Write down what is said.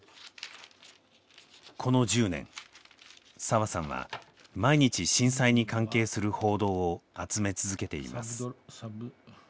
この１０年澤さんは毎日震災に関係する報道を集め続けています。